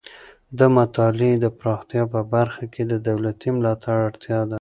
د مطالعې د پراختیا په برخه کې د دولتي ملاتړ اړتیا ده.